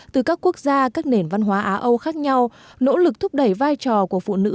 từ các quốc gia các nền văn hóa á âu khác nhau nỗ lực thúc đẩy vai trò của phụ nữ